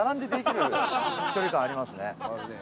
距離感ありますね。